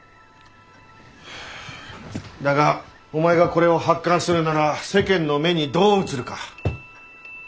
だがお前がこれを発刊するなら世間の目にどう映るか。